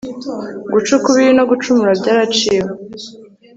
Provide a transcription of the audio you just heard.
guca ukubiri no gucumura byaraciwe